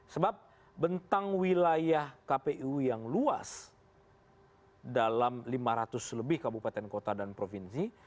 sebab bentang wilayah kpu yang luas dalam lima ratus lebih kabupaten kota dan provinsi